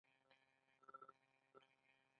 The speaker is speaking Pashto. د اشتراکي ژوند له منځه تلل پیل شول.